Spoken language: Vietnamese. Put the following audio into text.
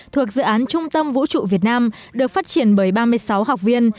thuộc dự án trung tâm vũ trụ việt nam được phát triển bởi ba mươi sáu học viên